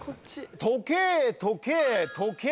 時計時計時計。